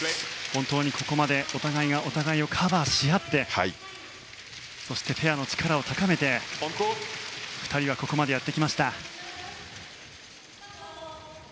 本当にここまでお互いがお互いをカバーし合ってそして、ペアの力を高めて２人はここまでやって来ました。